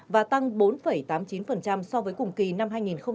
và tăng bốn tám mươi chín so với cùng kỳ năm hai nghìn hai mươi hai